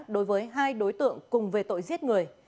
đối với hai đối tượng cùng về tội giết người